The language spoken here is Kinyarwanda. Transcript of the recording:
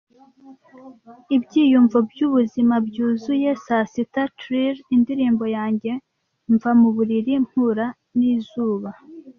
Ibyiyumvo byubuzima, byuzuye-saa sita trill, indirimbo yanjye mva muburiri mpura nizuba.